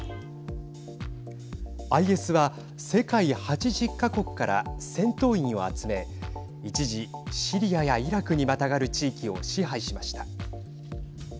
ＩＳは、世界８０か国から戦闘員を集め一時、シリアやイラクにまたがる地域を支配しました。